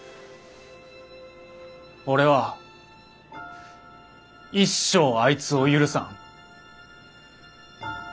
俺は一生あいつを許さん。